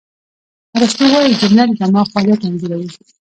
ارسطو وایي، جمله د دماغ فعالیت انځوروي.